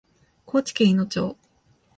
高知県いの町